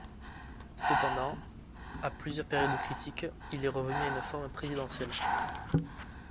Cependant, à plusieurs périodes critiques, il est revenu à une forme présidentielle.